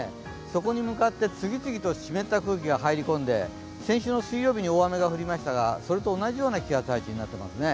そこに向かって次々と湿った空気が入り込んで先週の水曜日に大雨が降りましたがそれと同じような気圧配置になっていますね。